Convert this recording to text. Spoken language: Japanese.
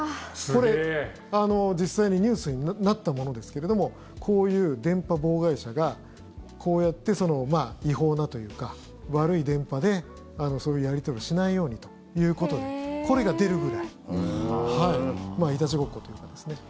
これ、実際にニュースになったものですけれどもこういう電波妨害車がこうやって違法なというか悪い電波でそういうやり取りをしないようにということでこれが出るぐらいいたちごっこというかですね。